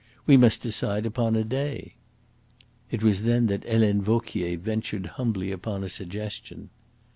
"We must decide upon a day." It was then that Helene Vauquier ventured humbly upon a suggestion.